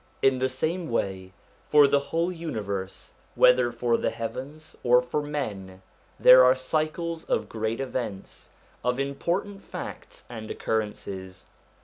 In the same way, for the whole universe, whether for the heavens or for men, there are cycles of great events, of important facts and occurrences.